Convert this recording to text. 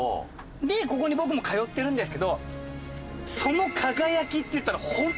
でここに僕も通ってるんですけどその輝きっていったらホントに宝石なんです。